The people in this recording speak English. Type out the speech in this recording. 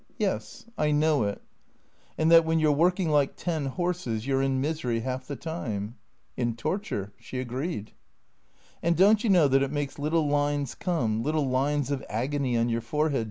" Yes. I know it." " And that when you 're working like ten horses you 're in misery half the time ?"" In torture." She agreed. " And don't you know that it makes little lines come, little lines of agony on your forehead.